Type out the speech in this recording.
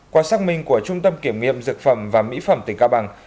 qua xác minh của trung tâm kiểm nghiệm dược phẩm và mỹ phẩm tỉnh cao bằng